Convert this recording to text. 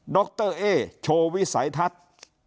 ดรเอโชวิสัยทัศน์